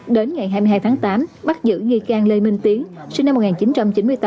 đến ngày hai mươi hai tháng tám bắt giữ nghi can lê minh tiến sinh năm một nghìn chín trăm chín mươi tám